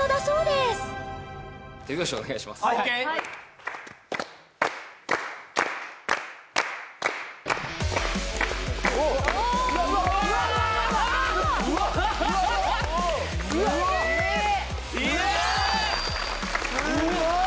・すごい！